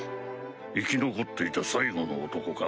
生き残っていた最後の男か。